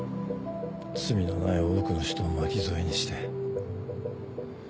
罪のない多くの人を巻き添えにして。